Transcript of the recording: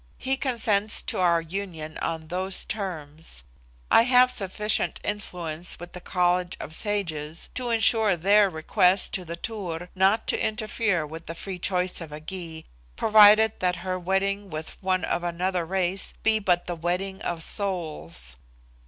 He consents to our union on those terms. I have sufficient influence with the College of Sages to insure their request to the Tur not to interfere with the free choice of a Gy; provided that her wedding with one of another race be but the wedding of souls.